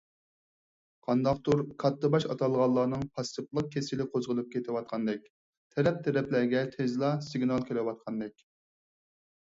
قانداقتۇر كاتتىباش ئاتالغانلارنىڭ پاسسىپلىق كېسىلى قوزغىلىپ كېتىۋاتقاندەك، تەرەپ - تەرەپلەرگە تېزلا سىگنال كېلىۋاتقاندەك.